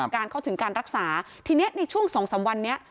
การเข้าถึงการรักษาทีเนี้ยในช่วงสองสามวันเนี้ย